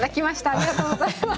ありがとうございます。